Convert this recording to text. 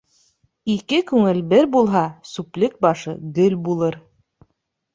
Ике күңел бер булһа, сүплек башы гөл булыр.